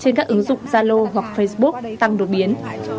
trên các ứng dụng zalo hoặc facebook tăng đột biến